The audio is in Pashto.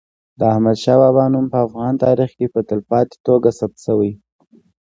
د احمد شاه بابا نوم په افغان تاریخ کي په تلپاتې توګه ثبت سوی.